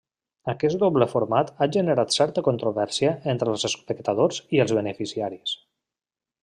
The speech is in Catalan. Aquest doble format ha generat certa controvèrsia entre els espectadors i els beneficiaris.